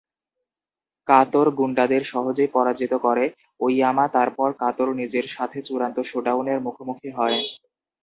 কাতোর গুন্ডাদের সহজেই পরাজিত করে, ওইয়ামা তারপর কাতোর নিজের সাথে চূড়ান্ত শোডাউনের মুখোমুখি হয়।